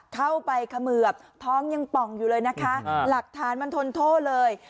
เข้าไปเขมือบท้องยังป่องอยู่เลยนะคะหลักฐานมันทนโทษเลย